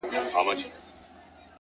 نن بيا د هغې نامه په جار نارې وهلې چي-